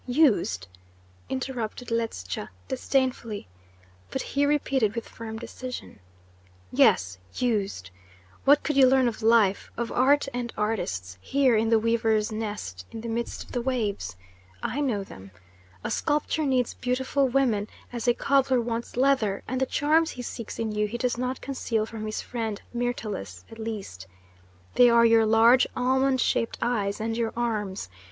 "Used?" interrupted Ledscha disdainfully; but he repeated with firm decision: "Yes, used! What could you learn of life, of art and artists, here in the weaver's nest in the midst of the waves? I know them. A sculptor needs beautiful women as a cobbler wants leather, and the charms he seeks in you he does not conceal from his friend Myrtilus, at least. They are your large almond shaped eyes and your arms.